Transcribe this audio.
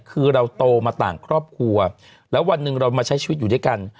คือเราโตมาต่างครอบครัวแล้ววันหนึ่งเรามาใช้ชีวิตอยู่ด้วยกัน